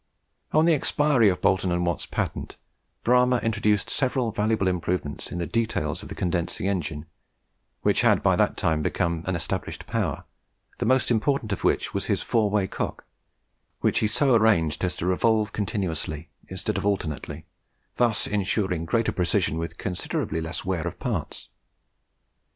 On the expiry of Boulton and Watt's patent, Bramah introduced several valuable improvements in the details of the condensing engine, which had by that time become an established power, the most important of which was his "four way cock," which he so arranged as to revolve continuously instead of alternately, thus insuring greater precision with considerably less wear of parts.